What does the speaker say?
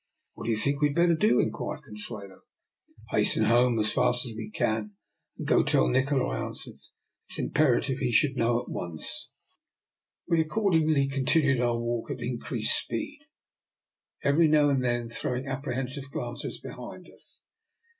" What do you think we had better do? " inquired Consuelo. " Hasten home as fast as we can go, and tell Nikola," I answered. " It is imperative he should know at once." We accordingly continued our walk at increased speed, every now and then throw ing apprehensive glances behind us.